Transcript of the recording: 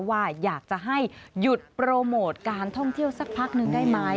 ว่าอยากจะให้หยุดโปรโมทการท่องเที่ยวสักพักนึงได้ไหม